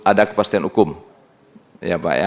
ada kepastian hukum ya pak ya